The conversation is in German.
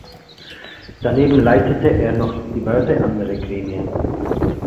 Daneben leitete er noch diverse andere Gremien.